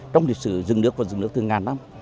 trong lịch sử dừng nước và dừng nước từ ngàn năm